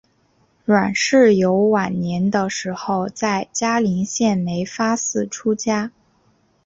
阮氏游晚年的时候在嘉林县梅发寺出家。